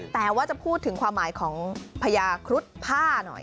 แต่ว่าจะพูดถึงความหมายของพญาครุฑผ้าหน่อย